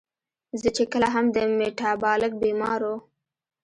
زۀ چې کله هم د ميټابالک بيمارو